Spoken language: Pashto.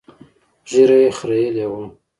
ږيره يې خرييلې وه.